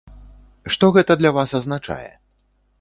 Што гэта для вас азначае?